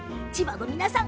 千葉の皆さん